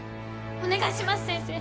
お願いします先生！